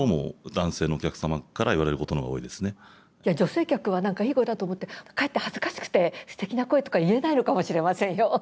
女性客は何かいい声だと思ってかえって恥ずかしくて「すてきな声」とか言えないのかもしれませんよ。